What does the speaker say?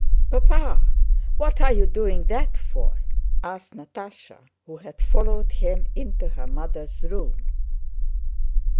"Papa, what are you doing that for?" asked Natásha, who had followed him into her mother's room.